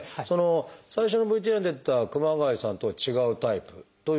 最初のＶＴＲに出てた熊谷さんとは違うタイプということですか？